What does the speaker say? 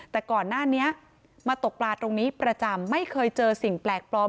แต่ก่อนหน้านี้มาตกปลาตรงนี้ประจำไม่เคยเจอสิ่งแปลกปลอม